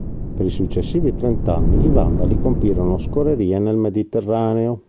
Per i successivi trent'anni, i Vandali compirono scorrerie nel Mediterraneo.